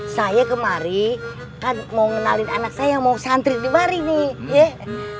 saya kemari kan mau ngenalin anak saya yang mau santri dimari nih yeh